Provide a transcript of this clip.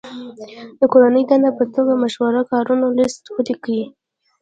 د کورنۍ دندې په توګه مشهورو کارونو لست ولیکئ.